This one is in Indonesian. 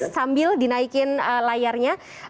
sambil dinaikin layarnya